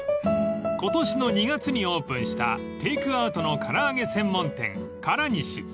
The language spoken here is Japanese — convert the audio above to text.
［今年の２月にオープンしたテークアウトの唐揚げ専門店からにし］